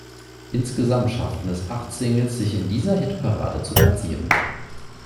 Insgesamt schafften es acht Singles, sich in dieser Hitparade zu platzieren.